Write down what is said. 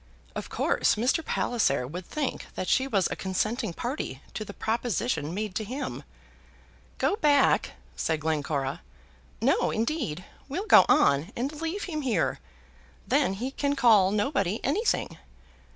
Of course Mr. Palliser would think that she was a consenting party to the proposition made to him. "Go back!" said Glencora. "No, indeed. We'll go on, and leave him here. Then he can call nobody anything.